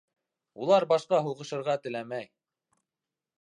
Улар башҡа һуғышырға теләмәй.